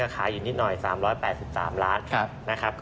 ก็ขายอยู่นิดหน่อย๓๘๓ล้าน